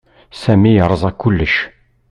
Sami yerẓa kullec.